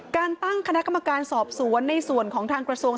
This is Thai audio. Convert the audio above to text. การตั้งคณะกรรมการสอบสวนในส่วนของทางกระทรวง